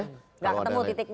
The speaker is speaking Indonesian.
nggak ketemu titiknya